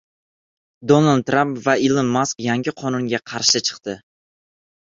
Donald Tramp va Ilon Mask yangi qonunga qarshi chiqdi